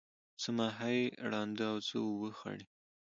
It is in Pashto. څه ماهی ړانده او څه اوبه خړی.